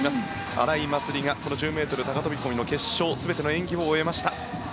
荒井祭里がこの１０ｍ高飛込の決勝全ての演技を終えました。